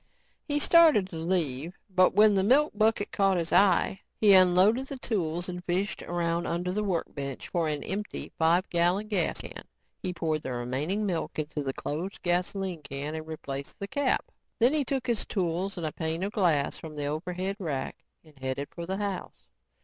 He started to leave but when the milk bucket caught his eye, he unloaded the tools and fished around under the workbench for an empty five gallon gasoline can. He poured the remaining milk into the closed gasoline can and replaced the cap. Then he took his tools and a pane of glass from an overhead rack and headed for the house.